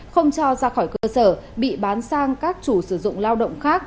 không cho ra khỏi cơ sở bị bán sang các chủ sử dụng lao động khác